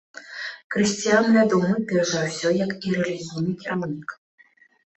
Крысціян вядомы, перш за ўсё, як рэлігійны кіраўнік.